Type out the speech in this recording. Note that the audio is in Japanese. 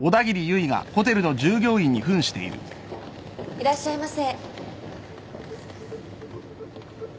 いらっしゃいませ。